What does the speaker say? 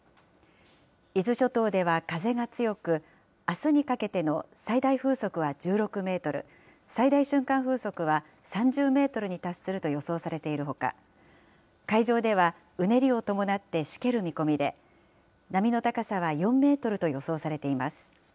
伊豆諸島では風が強く、あすにかけての最大風速は１６メートル、最大瞬間風速は３０メートルに達すると予想されているほか、海上ではうねりを伴ってしける見込みで、波の高さは４メートルと予想されています。